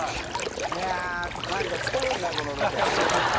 いやー、なんか疲れんな、このロケ。